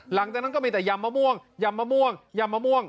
หลังจากนั้นก็มีแต่ยำมะม่วงยำมะม่วงยำมะม่วง